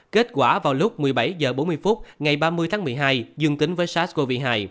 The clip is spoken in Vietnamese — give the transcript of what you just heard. kết quả vào lúc một mươi bảy h bốn mươi phút ngày ba mươi tháng một mươi hai dương tính với sars cov hai